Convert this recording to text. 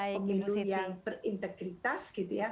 pemilu yang berintegritas